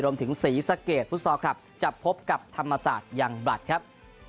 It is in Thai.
รวมถึงศรีสะเกดฟุตซอร์คลับจะพบกับธรรมศาสตร์ยังบรรดครับ